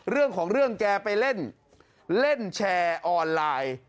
เรื่องของเรื่องแกไปเล่นเล่นแชร์ออนไลน์